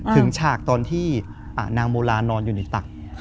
ฉากตอนที่นางโมลานอนอยู่ในตัก